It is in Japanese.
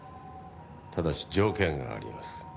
ただし条件があります。